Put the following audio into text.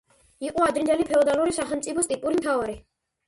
იყო ადრინდელი ფეოდალური სახელმწიფოს ტიპური მთავარი.